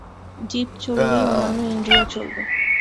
জিব চললেই অন্যান্য ইন্দ্রিয় চলবে।